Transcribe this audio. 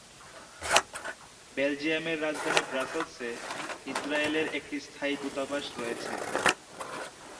বেলজিয়ামের রাজধানী ব্রাসেলস-এ ইসরায়েল এর একটি স্থায়ী দূতাবাস রয়েছে।